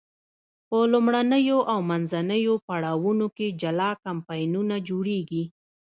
په لومړنیو او منځنیو پړاوونو کې جلا کمپاینونه جوړیږي.